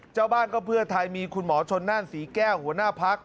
เจ้าบ้านก็เพื่อไทยมีคุณหมอชนนั่นศรีแก้วหัวหน้าพัก